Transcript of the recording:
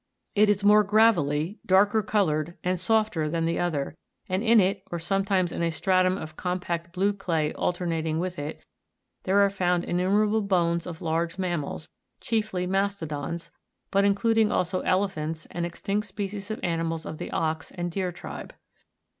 It is more gravelly, darker coloured, and softer than the other, and in it, or sometimes in a stratum of compact blue clay alternating with it, there are found innumerable bones of large mammals, chiefly ma'stodons, but in cluding also elephants, and extinct species of animals of the ox and deer tribe.